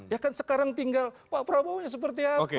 ya kan sekarang tinggal pak prabowo nya seperti apa